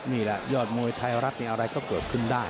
นี่แหละยอดมวยไทยรัฐอะไรก็เกิดขึ้นได้